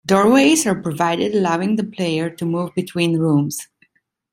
Doorways are provided allowing the player to move between rooms.